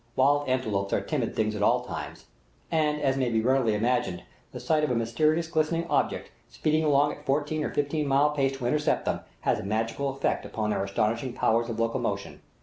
Wild antelopes are timid things at all times, and, as may be readily imagined, the sight of a mysterious glistening object, speeding along at a fourteen or fifteen mile pace to intercept them, has a magical effect upon their astonishing powers of locomotion.